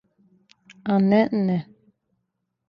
А, не, не!